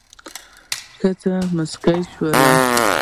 ښځې موسکې شوې.